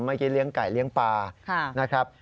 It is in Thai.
เมื่อกี้เลี้ยงไก่เลี้ยงปลานะครับ